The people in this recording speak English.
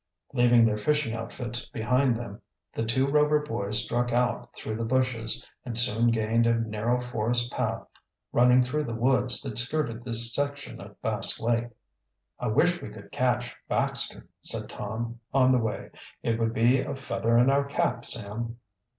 Leaving their fishing outfits behind them the two Rover boys struck out through the bushes, and soon gained a narrow forest path running through the woods that skirted this section of Bass Lake. "I wish we could catch Baxter," said Tom, on the way. "It would be a feather in our cap, Sam."